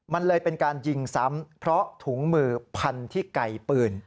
มันเลยเป็นการยิงซ้ำเพราะถุงมือพันที่ไก่ปืน